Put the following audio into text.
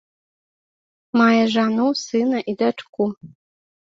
Мае жану, сына і дачку.